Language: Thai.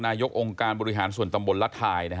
นายกองค์การบริหารส่วนตำบลรัฐทาย